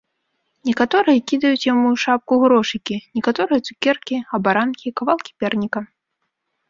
Некаторыя кідаюць яму ў шапку грошыкі, некаторыя цукеркі, абаранкі, кавалкі перніка.